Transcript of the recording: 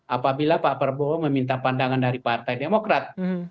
apabila pak prabowo meminta pandangan dari partai demokrat